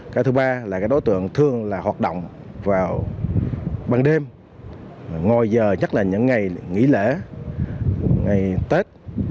cái thứ ba là cái đối tượng thường là hoạt động vào ban đêm ngồi giờ nhất là những ngày nghỉ lễ ngày tết